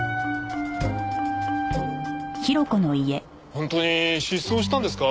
本当に失踪したんですか？